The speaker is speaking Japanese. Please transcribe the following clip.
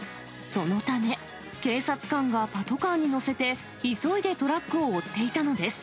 そのため、警察官がパトカーに乗せて、急いでトラックを追っていたのです。